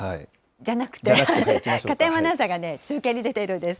じゃなくて、片山アナウンサーが中継に出ているんです。